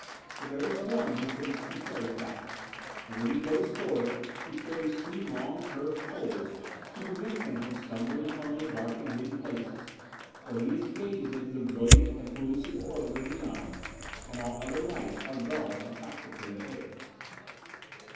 But there is one who thinks contrary facts, And when he goes forth he carries two long curved poles To prevent him from stumbling among the dark and hidden places; For he has gazed into the brilliant and pellucid orbs of Mian, And all other lights are dull and practically opaque.